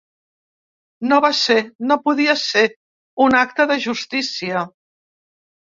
No va ser, no podia ser, un acte de justícia.